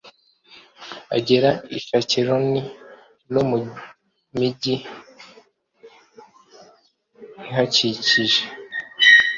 agera i ashikeloni no mu migi ihakikije